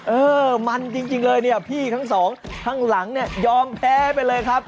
อื้อมันจริงเลยนี่พี่ทั้ง๒ทั้งหลังยอมแพ้ไปเลยครับ